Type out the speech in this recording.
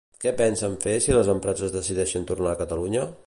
Què pensen fer si les empreses decideixen tornar a Catalunya?